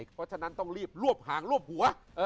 เพราะฉะนั้นต้องรีบรวบหางรวบหัว